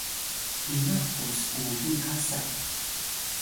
ima ku s’uli hasa?